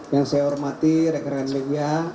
yang saya hormati rekrean media